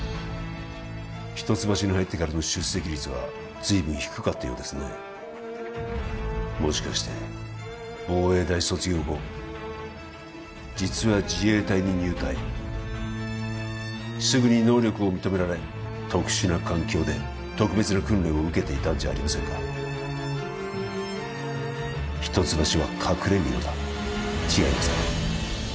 一橋に入ってからの出席率は随分低かったようですねもしかして防衛大卒業後実は自衛隊に入隊すぐに能力を認められ特殊な環境で特別な訓練を受けていたんじゃありませんか一橋は隠れ簔だ違いますか？